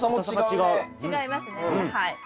違いますねはい。